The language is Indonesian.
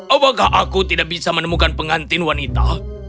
apakah aku tidak bisa menemukan pengantin wanita